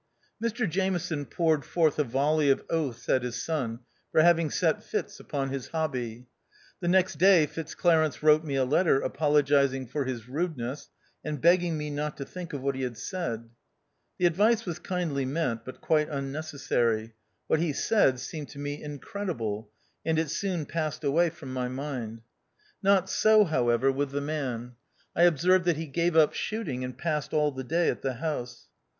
Mr Jameson poured forth a volley of oaths at his son for having set Fitz. upon his hobby. The next day Fitzclarence wrote me a letter apologising for his rudeness, and begging me not to think of what he had said. The advice was kindly meant, but quite un necessary ; what he said seemed to me in credible, and it soon passed away from my mind. Not so, however, with the man. I observed that he gave up shooting and passed all the day at the house.